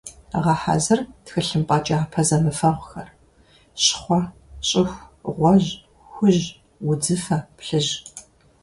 Гъэхьэзыр тхылъымпӀэ кӀапэ зэмыфэгъухэр: щхъуэ, щӀыху, гъуэжь, хужь, удзыфэ, плъыжь.